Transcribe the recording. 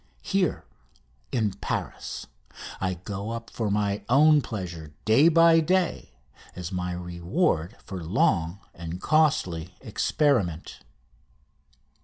Here, in Paris, I go up for my own pleasure day by day, as my reward for long and costly experiment.